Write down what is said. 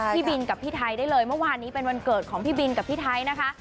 พี่บินกับพี่ไทยได้เลยเมื่อวานนี้เป็นวันเกิดของพี่บินกับพี่ไทยนะคะ